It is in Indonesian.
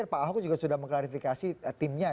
pak ahok juga sudah mengklarifikasi timnya